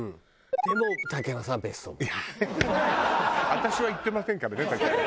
私は言ってませんからね竹山さん。